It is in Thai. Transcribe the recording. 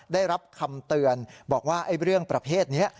ได้รับคำเตือนบอกว่าเรื่องประเภทนี้